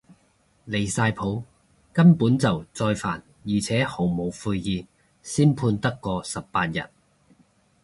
離晒譜，根本就再犯而且毫無悔意，先判得嗰十八日